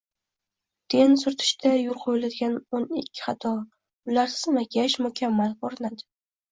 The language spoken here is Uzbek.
Ten surtishda yo‘l qo‘yiladigano´n ikkixato: Ularsiz makiyaj mukammal ko‘rinadi